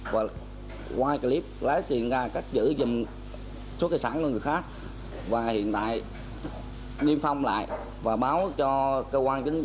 và quay clip lấy tiền ra cách giữ giùm số cây sẵn của người khác và hiện tại niêm phong lại và báo cho cơ quan công an